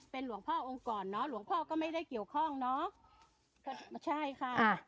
เป็นหลวงพ่อองค์ก่อนเนอะหลวงพ่อก็ไม่ได้เกี่ยวข้องเนอะก็ใช่ค่ะ